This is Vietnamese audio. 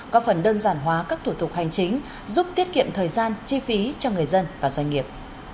có phần đơn giản hóa các thủ tục hành chính giúp tiết kiệm thời gian chi phí cho người dân và doanh nghiệp